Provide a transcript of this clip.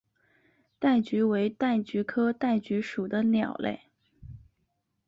戴菊为戴菊科戴菊属的鸟类。